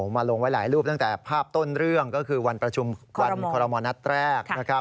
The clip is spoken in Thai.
มาลงไว้หลายรูปตั้งแต่ภาพต้นเรื่องก็คือวันประชุมวันคอรมอลนัดแรก